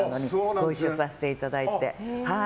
ご一緒させていただいて。